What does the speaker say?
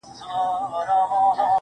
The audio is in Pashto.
په تورو سترگو کي کمال د زلفو مه راوله.